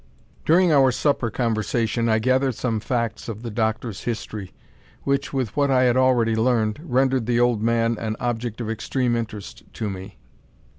During our supper conversation I gathered some facts of the doctor's history, which, with what I had already learned, rendered the old man an object of extreme interest to me.